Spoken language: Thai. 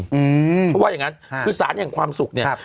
เพราะว่าอย่างนั้นคือสารแห่งความสุขเนี่ย